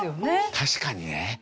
確かにね。